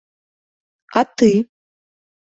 - А ты?